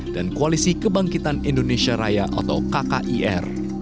dan koalisi kebangkitan indonesia raya atau kkir